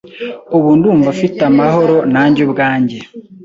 Ubu ndumva mfite amahoro nanjye ubwanjye.